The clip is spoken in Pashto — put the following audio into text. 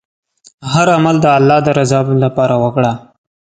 هر عمل د الله ﷻ د رضا لپاره وکړه.